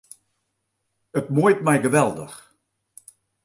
It muoit my geweldich.